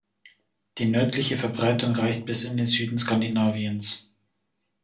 Die nördliche Verbreitung reicht bis in den Süden Skandinaviens.